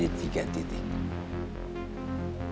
ini itu terjadi di perumahan